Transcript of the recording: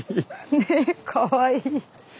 ねえかわいい。